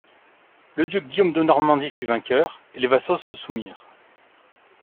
Le duc Guillaume de Normandie fut vainqueur et les vassaux se soumirent.